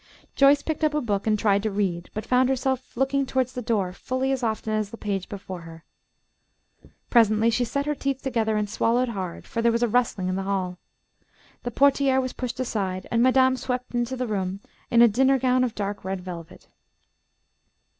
Joyce picked up a book and tried to read, but found herself looking towards the door fully as often as at the page before her. Presently she set her teeth together and swallowed hard, for there was a rustling in the hall. The portière was pushed aside and madame swept into the room in a dinner gown of dark red velvet.